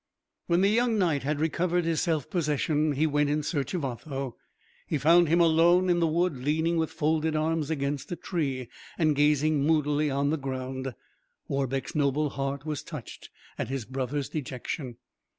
When the young knight had recovered his self possession he went in search of Otho. He found him alone in the wood, leaning with folded arms against a tree, and gazing moodily on the ground. Warbeck's noble heart was touched at his brother's dejection.